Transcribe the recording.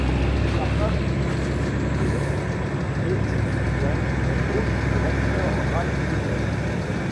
Sa femme fut Ginny Fiennes et son cousin n'est autre que l'acteur Ralph Fiennes.